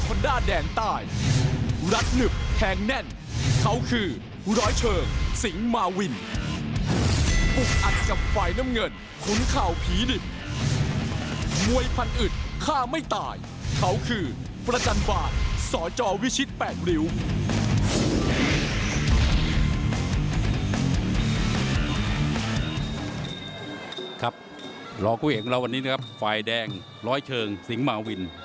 ครับรอผู้เห็นกับเราวันนี้นะครับไฟล์แดงร้อยเชิงสิงค์มาวิน